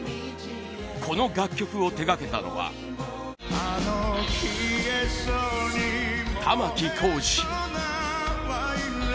この楽曲を手掛けたのは玉置浩二！